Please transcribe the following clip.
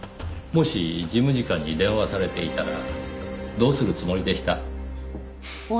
もし事務次官に電話されていたらどうするつもりでした？